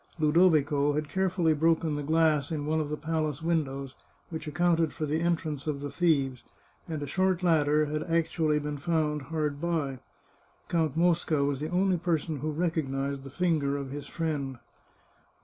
Ludovico had carefully broken the glass in one of the palace windows, which accounted for the entrance of the thieves, and a short ladder had actually been found hard by. Count Mosca was the only person who recognised the finger of his friend.